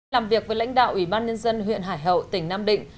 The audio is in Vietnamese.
làm việc với lãnh đạo ủy ban nhân dân huyện hải hậu tỉnh nam định